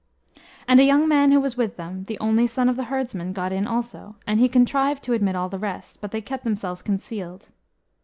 And a young man who was with them, the only son of the herdsman, got in also; and he contrived to admit all the rest, but they kept themselves concealed.